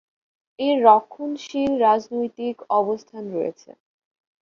এর রক্ষণশীল রাজনৈতিক অবস্থান রয়েছে।